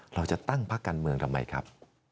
เราจะตั้งพักการเมืองทำไมครับ